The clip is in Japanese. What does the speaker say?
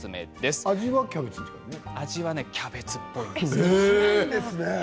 味はキャベツっぽいですよ。